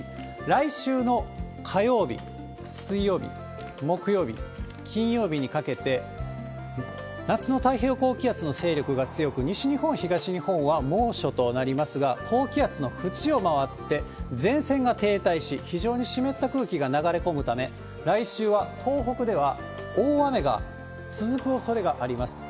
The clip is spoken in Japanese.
来週の火曜日、水曜日、木曜日、金曜日にかけて、夏の太平洋高気圧の勢力が強く、西日本、東日本は猛暑となりますが、高気圧の縁を回って前線が停滞し、非常に湿った空気が流れ込むため、来週は東北では大雨が続くおそれがあります。